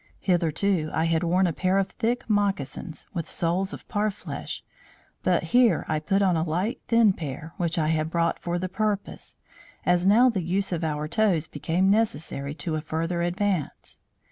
Hitherto, I had worn a pair of thick moccasins, with soles of parfleche but here I put on a light thin pair, which I had brought for the purpose, as now the use of our toes became necessary to a further advance.